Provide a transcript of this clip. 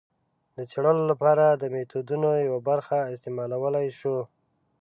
د څېړلو لپاره د میتودونو یوه برخه استعمالولای شو.